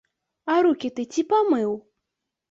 А рукі ты ці памыў?